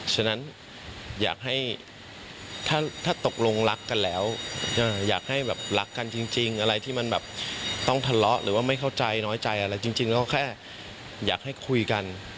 ฉะนั้นอยากให้ถ้าตกลงรักกันแล้วอยากให้แบบรักกันจริงอะไรที่มันแบบต้องทะเลาะหรือว่าไม่เข้าใจน้อยใจอะไรจริงก็แค่อยากให้คุยกัน